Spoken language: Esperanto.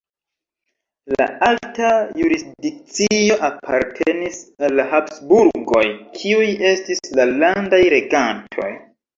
La alta jurisdikcio apartenis al la Habsburgoj, kiuj estis la landaj regantoj.